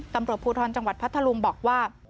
ตำรวจภูทรจังหวัดพัทธลุงบอกว่า